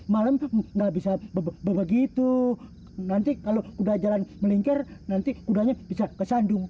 malam nggak bisa begitu nanti kalau udah jalan melingkar nanti udahnya bisa ke sandung